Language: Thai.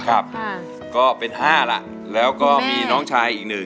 ครับก็เป็น๕ละแล้วก็มีน้องชายอีก๑